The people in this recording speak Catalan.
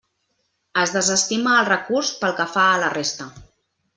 Es desestima el recurs pel que fa a la resta.